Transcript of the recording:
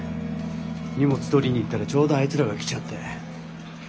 荷物取りに行ったらちょうどあいつらが来ちゃって。